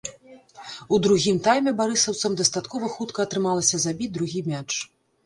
У другім тайме барысаўцам дастаткова хутка атрымалася забіць другі мяч.